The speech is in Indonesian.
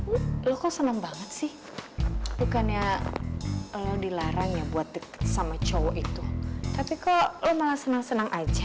wih lo kok senang banget sih bukannya lo dilarang ya buat deket sama cowok itu tapi kok lo malah senang senang aja